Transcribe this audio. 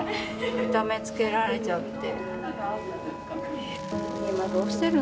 痛めつけられちゃって。